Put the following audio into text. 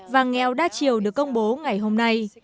và nghèo đa chiều được công bố ngày hôm nay